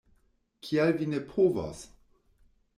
Kial vi ne povos?